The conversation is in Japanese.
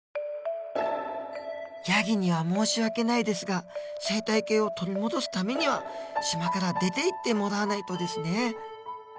ヤギには申し訳ないですが生態系を取り戻すためには島から出ていってもらわないとですね